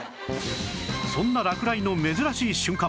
そんな落雷の珍しい瞬間